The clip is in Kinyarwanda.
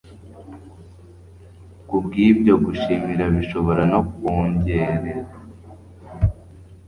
kubwibyo gushimira bishobora no kwongorera